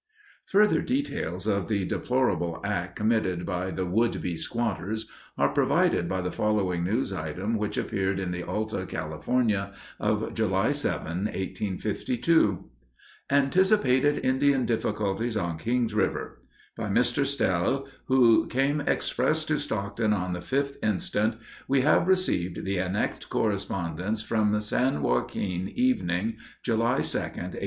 Further details of the deplorable act committed by the would be "squatters" are provided by the following news item which appeared in the Alta California of July 7, 1852: Anticipated Indian Difficulties on King's River By Mr. Stelle, who came express to Stockton on the 5th inst., we have received the annexed correspondence from San Joaquin, (Evening,) July 2, 1852.